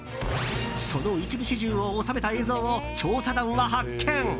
その一部始終を収めた映像を調査団は発見。